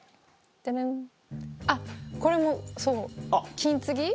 テレンあっこれもそう金継ぎ。